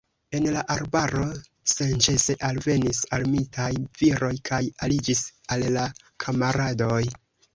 El la arbaro senĉese alvenis armitaj viroj kaj aliĝis al la kamaradoj.